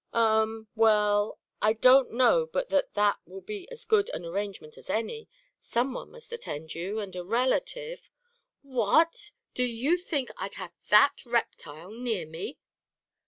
"Um, well, I don't know but that that will be as good an arrangement as any. Some one must attend you, and a relative " "What! Do you think I'd have that reptile near me?"